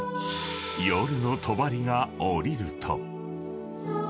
［夜のとばりが降りると］